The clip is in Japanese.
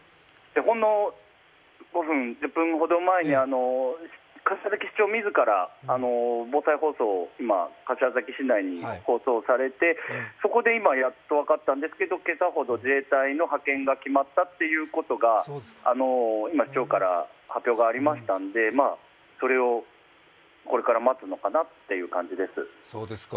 ほんの５分、１０分ほど前に柏崎市長自ら防災無線を柏崎市内に放送されてそこで今、やっと分かったんですけど、今朝ほど自衛隊の派遣が決まったことが今、市長から発表がありましたので、それをこれから待つのかなという感じです。